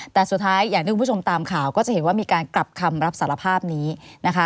แต่สุดท้ายอย่างที่คุณผู้ชมตามข่าวก็จะเห็นว่ามีการกลับคำรับสารภาพนี้นะคะ